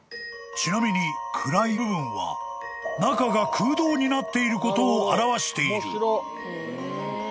［ちなみに暗い部分は中が空洞になっていることを表している］